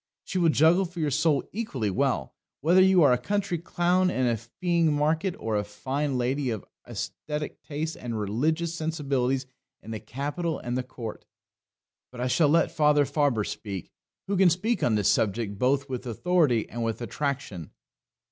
She will juggle for your soul equally well whether you are a country clown in a feeing market or a fine lady of aesthetic tastes and religious sensibilities in the capital and the court. But I shall let Father Faber speak, who can speak on this subject both with authority and with attraction.